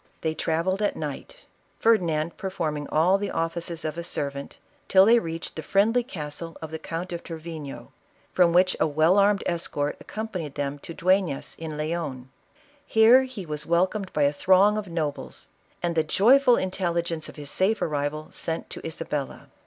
They trav elled at night, Ferdinand performing all the offices of a servant, till they reached the friendly castle of the Count of Trevino, from which a well armed escort ac companied Jhem to Duefias in Leon. Here he was welcomed by a throng of nobles, and the joyful intelli gence of his safe arrival sent to Isabella.